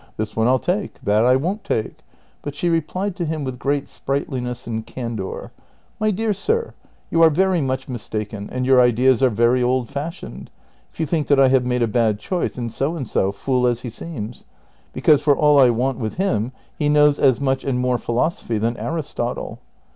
This one I '11 take, that I won't take ;' but she replied to him with great sprightliness and candor, ' i\[y dear sir, you are very much mistaken, and your ideas are very old fashioned, if you think that I have made a bad choice in So and so, fool as he seems ; because for all I Avant Avith him he knoAvs as niuch and more philosophy than Aristotle.'